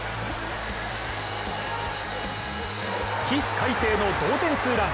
起死回生の同点ツーラン。